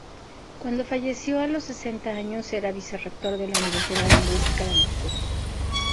Cuando falleció a los sesenta años era vicerrector de la Universidad Lingüística de Moscú.